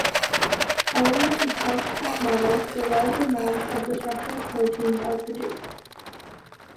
Owing to stop-start model, the large amounts of the structural proteins are produced.